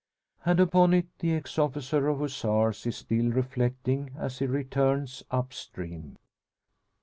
And upon it the ex officer of Hussars is still reflecting as he returns up stream.